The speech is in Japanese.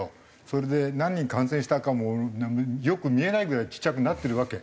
それで何人感染したかもよく見えないぐらいちっちゃくなってるわけ。